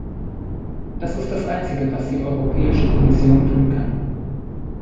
Das ist das einzige, was die Europäische Kommission tun kann.